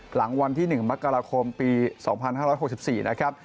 หลังวันที่๑มกราคมปี๒๕๖๔นะครับ